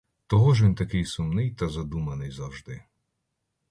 Того ж він такий сумний та задуманий завжди.